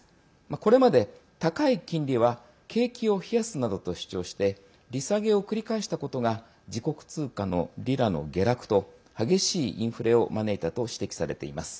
これまで、高い金利は景気を冷やすなどと主張して利下げを繰り返したことが自国通貨のリラの下落と激しいインフレを招いたと指摘されています。